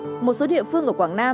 đà nẵng một số địa phương ở quảng nam